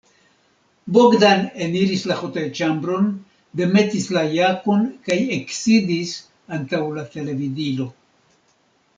Bogdan eniris la hotelĉambron, demetis la jakon kaj eksidis antaŭ la televidilo.